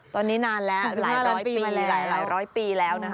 ตอนนี้นานแล้วหลายร้อยปีหลายร้อยปีแล้วนะคะ